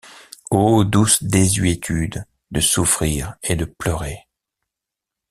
Ô douce désuétude De souffrir et de pleurer!